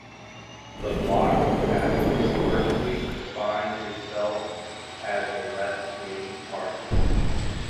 The Bloc has historically defined itself as a left-wing party.